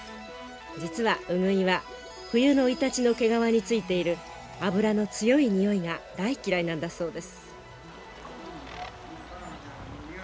実はウグイは冬のイタチの毛皮についている脂の強いにおいが大嫌いなんだそうです。